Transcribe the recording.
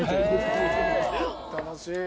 楽しい。